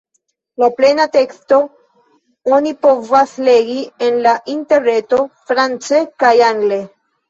La plena teksto oni povas legi en la Interreto france kaj angle.